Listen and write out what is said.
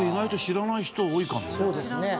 そうですね。